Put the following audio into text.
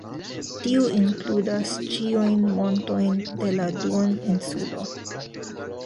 Tiu inkludas ĉiujn montojn de la duoninsulo.